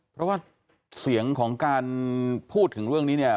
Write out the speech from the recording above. เพราะว่าเสียงของการพูดถึงเรื่องนี้เนี่ย